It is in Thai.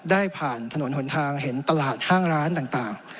ได้ผ่านถนนหนทางเห็นตลาดห้างร้านต่าง